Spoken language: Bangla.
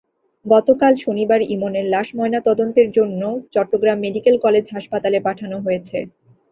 গতকাল শনিবার ইমনের লাশ ময়নাতদন্তের জন্য চট্টগ্রাম মেডিকেল কলেজ হাসপাতালে পাঠানো হয়েছে।